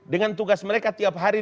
dengan tugas mereka tiap hari